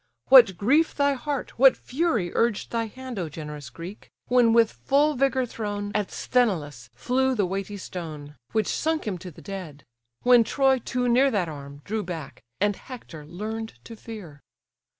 What grief thy heart, what fury urged thy hand, O generous Greek! when with full vigour thrown, At Sthenelaus flew the weighty stone, Which sunk him to the dead: when Troy, too near That arm, drew back; and Hector learn'd to fear.